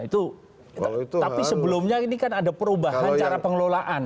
tapi sebelumnya ini kan ada perubahan cara pengelolaan